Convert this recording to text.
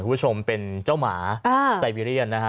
คุณผู้ชมเป็นเจ้าหมาไซเบีเรียนนะฮะ